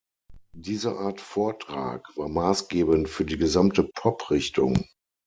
Diese Art Vortrag war maßgebend für die gesamte Pop-Richtung.